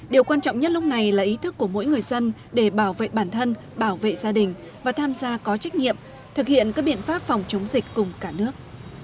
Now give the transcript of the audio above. điều quan trọng nhất lúc này là ý thức của mỗi người dân để bảo vệ bản thân bảo vệ gia đình và tham gia có trách nhiệm thực hiện các biện pháp phòng chống dịch cùng cả nước